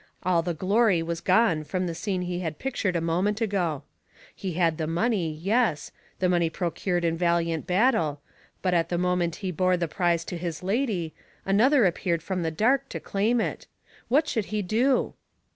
All the glory was gone from the scene he had pictured a moment ago. He had the money, yes, the money procured in valiant battle, but at the moment he bore the prize to his lady, another appeared from the dark to claim it. What should he do?